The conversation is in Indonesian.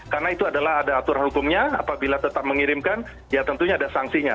karena itu adalah ada aturan hukumnya apabila tetap mengirimkan ya tentunya ada sanksinya